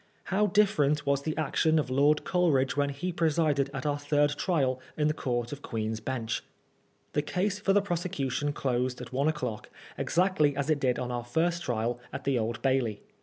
How diflEerent was the action of Lord Coleridge when he presided at our third trial in the Court of Queen's Bench ! The case for the prosecution closed at one o'clock, exactly as it did on our first trial at the Old Bailey.